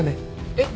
えっ？